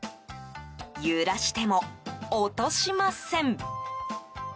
揺らしても、落としません。